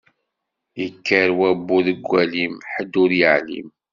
Ikker wabbu deg walim, ḥedd ur yeɛlim.